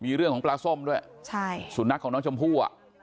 มีเรื่องของปลาส้มด้วยแล้วสุทนักของน้องจมหูอะ